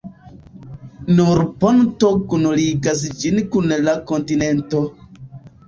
Nur ponto kunligas ĝin kun la kontinento.